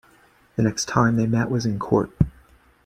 The next time they met was in court.